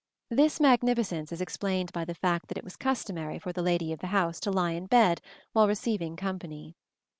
This magnificence is explained by the fact that it was customary for the lady of the house to lie in bed while receiving company.